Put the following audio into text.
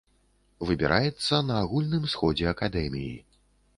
Выбіраецца на агульным сходзе акадэміі.